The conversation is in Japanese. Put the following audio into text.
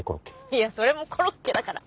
いやそれもコロッケだから！